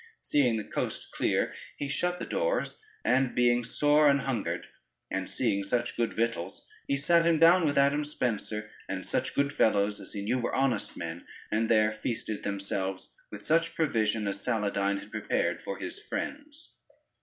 Seeing the coast clear, he shut the doors, and being sore anhungered, and seeing such good victuals, he sat him down with Adam Spencer, and such good fellows as he knew were honest men, and there feasted themselves with such provision as Saladyne had prepared for his friends.